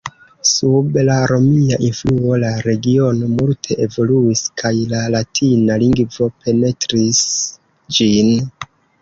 Sub la romia influo la regiono multe evoluis kaj la latina lingvo penetris ĝin.